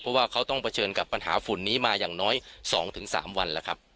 เพราะว่าเขาต้องเผชิญกับปัญหาฝุ่นนี้มาอย่างน้อย๒๓วันแล้วครับ